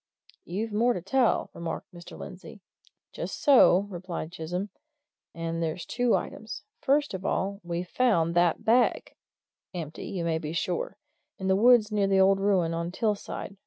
"You've more to tell," remarked Mr. Lindsey. "Just so," replied Chisholm. "And there's two items. First of all we've found that bag! Empty, you may be sure. In the woods near that old ruin on Till side.